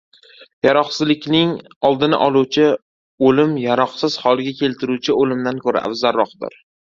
Yaroqsizlikning oldini oluvchi o‘lim yaroqsiz holga keltiruvchi o‘limdan ko‘ra afzaroqdir.